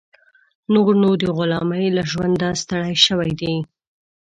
نور نو د غلامۍ له ژونده ستړی شوی دی.